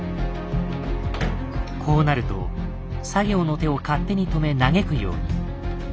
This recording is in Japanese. こうなると作業の手を勝手に止め嘆くように。